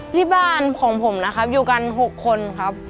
ที่บ้านของผมนะครับอยู่กัน๖คนครับ